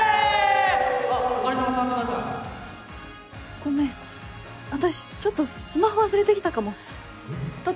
ごめん私ちょっとスマホ忘れてきたかもえっ？